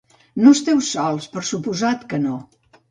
No esteu sols, per suposat que no!